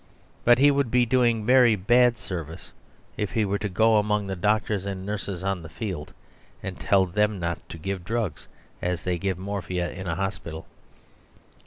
But he would be doing very bad service if he were to go among the doctors and nurses on the field and tell them not to give drugs, as they give morphia in a hospital.